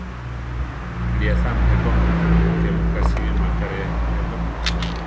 Kilí asá mujé ko; ke mu ka si maká rʼe mujé ko.